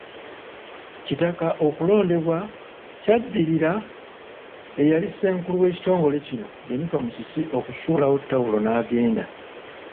Kitaka okulondebwa kyaddiirira eyali Ssenkulu w'ekitongole kino, Jennifer Musisi okusuulawo ttawulo n'agenda.